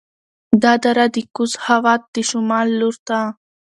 دا دره د کوز خوات د شمال لور ته